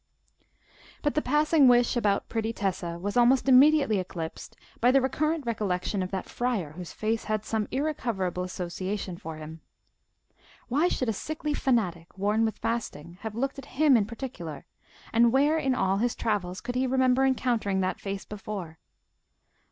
But the passing wish about pretty Tessa was almost immediately eclipsed by the recurrent recollection of that friar whose face had some irrecoverable association for him. Why should a sickly fanatic, worn with fasting, have looked at him in particular, and where in all his travels could he remember encountering that face before?